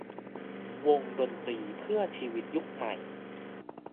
วงดนตรีเพื่อชีวิตยุคใหม่